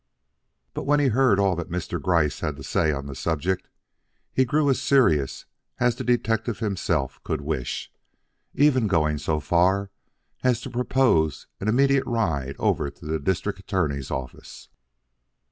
But when he heard all that Mr. Gryce had to say on the subject, he grew as serious as the detective himself could wish, even going so far as to propose an immediate ride over to the District Attorney's office.